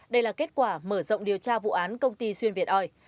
đây là kết quả mở rộng điều tra vụ án công ty xuyên việt oi